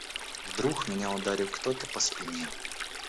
Вдруг меня ударил кто-то по спине.